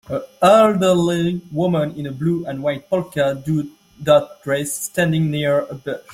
A elderly woman in a blue and white polka dot dress standing near a bush.